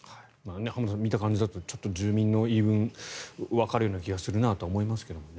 浜田さん、見た感じだとちょっと住民の言い分もわかるような気がするなと思いますけどね。